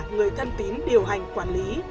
người thân tín điều hành quản lý